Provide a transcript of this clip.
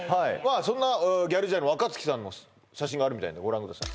そんなギャル時代の若槻さんの写真があるみたいなのでご覧ください